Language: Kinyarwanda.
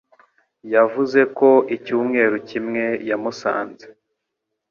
Yavuze ko icyumweru kimwe yamusanze.